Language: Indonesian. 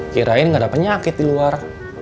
kirain gak ada penyakit di luar